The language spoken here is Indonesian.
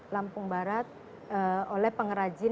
lampung barat oleh pengrajin